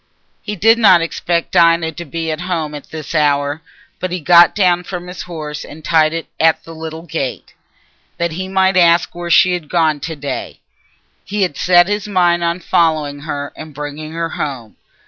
He did not expect Dinah to be at home at this hour, but he got down from his horse and tied it at the little gate, that he might ask where she was gone to day. He had set his mind on following her and bringing her home.